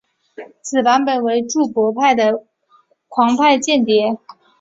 此版本为注博派的狂派间谍。